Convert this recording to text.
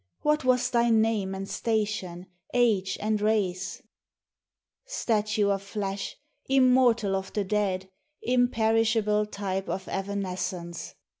What was thy name and station, age and race ? 238 POEMS OF SENTIMENT. Statue of flesh, — immortal of the dead ! Imperishable type of evanescence